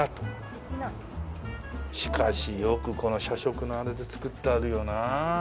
「イキナ」しかしよくこの写植のあれで作ってあるよな。